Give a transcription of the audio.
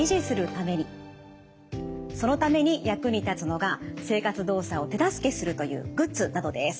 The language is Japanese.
そのために役に立つのが生活動作を手助けするというグッズなどです。